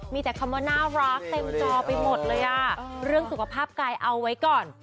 มีแต่คำว่าน่ารักเต็มจอไปหมดเลยอ่ะเรื่องสุขภาพกายเอาไว้ก่อน